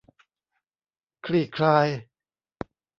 คลี่คลาย